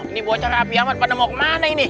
ini bocor api amat pada mau kemana ini